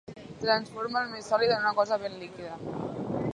Transforma el més sòlid en una cosa ben líquida.